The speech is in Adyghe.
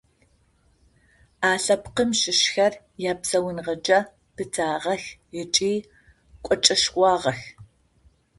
А лъэпкъым щыщхэр япсауныгъэкӏэ пытагъэх ыкӏи кӏочӏэшхуагъэх.